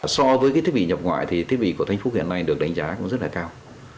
so với thiết bị nhập ngoại thì thiết bị của thanh phúc hiện nay được đánh giá cũng rất là cao